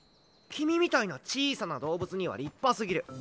君みたいな小さな動物には立派すぎる。